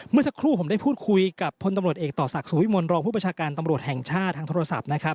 เมื่อสักครู่ผมได้พูดคุยกับพลตำรวจเอกต่อศักดิ์สุวิมลรองผู้ประชาการตำรวจแห่งชาติทางโทรศัพท์นะครับ